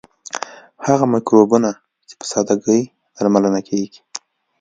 هغه مکروبونه چې په ساده ګۍ درملنه کیږي.